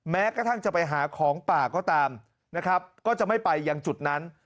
แม้กระทั่งจะไปหาของป่าก็ตามนะครับก็จะไม่ไปยังจุดนั้น